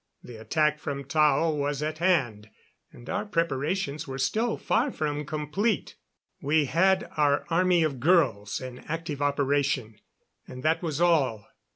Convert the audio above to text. The attack from Tao was at hand, and our preparations were still far from complete. We had our army of girls in active operation, and that was all.